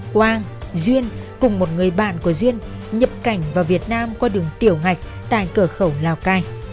quang duyên cùng một người bạn của duyên nhập cảnh vào việt nam qua đường tiểu ngạch tại cửa khẩu lào cai